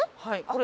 はい。